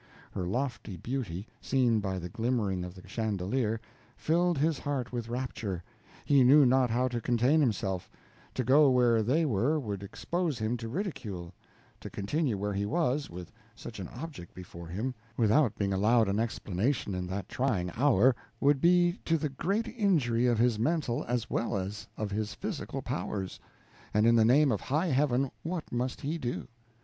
Her lofty beauty, seen by the glimmering of the chandelier, filled his heart with rapture, he knew not how to contain himself; to go where they were would expose him to ridicule; to continue where he was, with such an object before him, without being allowed an explanation in that trying hour, would be to the great injury of his mental as well as of his physical powers; and, in the name of high heaven, what must he do?